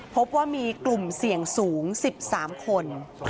พบว่ามีกลุ่มเสี่ยงสูง๑๓คน